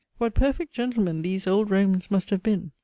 "What perfect gentlemen these old Romans must have been!